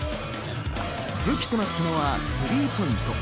武器となったのはスリーポイント。